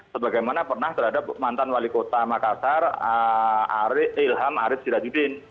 sebagaimana pernah terhadap mantan wali kota makassar ilham arief sirajudin